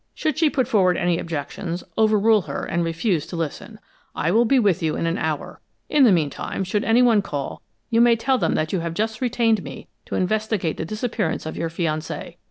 Should she put forward any objections, over rule her and refuse to listen. I will be with you in an hour. In the meantime, should anyone call, you may tell them that you have just retained me to investigate the disappearance of your fiancé.